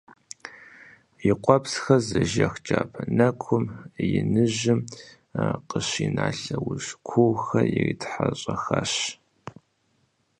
И къуэпсхэр зэжэх джабэ нэкӀум иныжьым къыщина лъэужь куухэр иритхьэщӀэхащ.